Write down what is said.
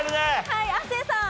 はい亜生さん。